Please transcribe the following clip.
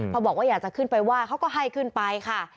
พอบอกว่าอยากจะขึ้นไปไหว้เขาก็ให้ขึ้นไปค่ะ